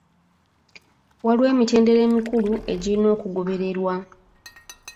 Waliwo emitendera emikulu egirina okugobererwa.